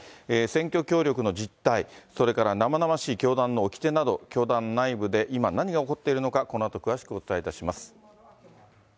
選挙協力の実態、それから生々しい教団のおきてなど、教団内部で今何が起こっているのか、このあと詳しくお伝えします。